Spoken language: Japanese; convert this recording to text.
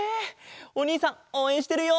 おにいさんおうえんしてるよ！